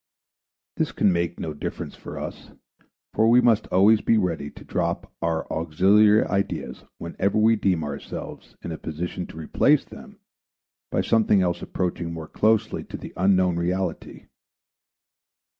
This can make no difference for us, for we must always be ready to drop our auxiliary ideas whenever we deem ourselves in position to replace them by something else approaching more closely to the unknown reality.